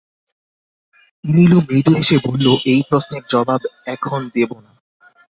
নীলু মৃদু হেসে বলল, এই প্রশ্নের জবাব এখন দেব না।